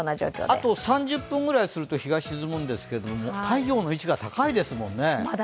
あと３０分くらいすると日が沈むんですけれども太陽の位置が高いですもんね。